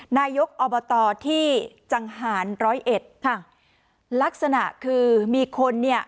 นายกอบตที่จังหารร้อยเอ็ดค่ะลักษณะคือมีคนเนี่ย